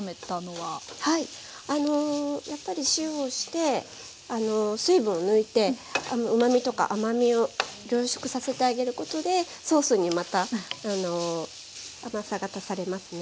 はいやっぱり塩をして水分を抜いてうまみとか甘みを凝縮させてあげることでソースにまた甘さが足されますね。